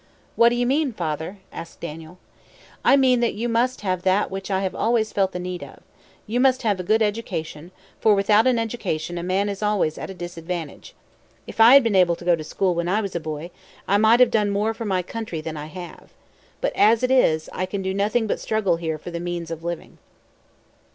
"What do you mean, father?" asked Daniel. "I mean that you must have that which I have always felt the need of. You must have a good education; for without an education a man is always at a disadvantage. If I had been able to go to school when I was a boy, I might have done more for my country than I have. But as it is, I can do nothing but struggle here for the means of living."